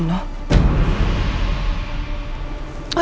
rena kan deket sama nino